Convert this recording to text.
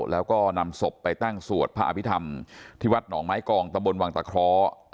แล้วก็นำศพไปตั้งสวดพระอภิษฐรรมที่วัดหนองไม้กองตะบนวังตะเคราะห์